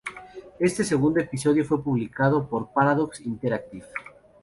Éste segundo episodio fue publicado por Paradox Interactive.